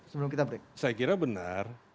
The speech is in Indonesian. saya kira benar